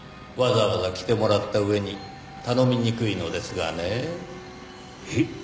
わざわざ来てもらった上に頼みにくいのですがねぇ。